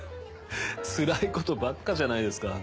つらいことばっかじゃないですか。